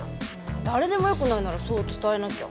誰でも良くないならそう伝えなきゃ。